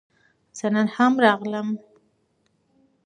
زه هم راغلم